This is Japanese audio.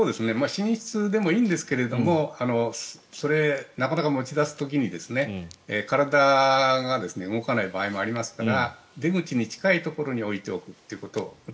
寝室でもいいんですがなかなか、持ち出す時に体が動かない場合もありますから出口に近いところに置いておくということ。